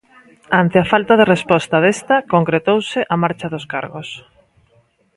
Ante a falta de resposta desta, concretouse a marcha dos cargos.